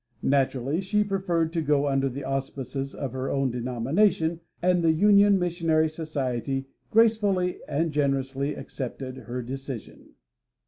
Naturally she preferred to go under the auspices of her own denomination, and the Union Missionary Society gracefully and generously accepted her decision.